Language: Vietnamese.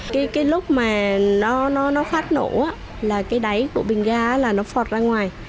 cái lúc mà nó phát nổ là cái đáy của bình ga là nó phọt ra ngoài